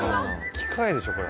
機械でしょこれ。